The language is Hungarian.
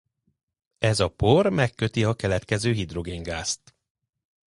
Ez a por megköti a keletkező hidrogéngázt.